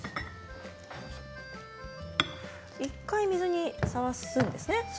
１回水にさらすんですね。